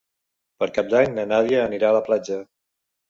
Per Cap d'Any na Nàdia anirà a la platja.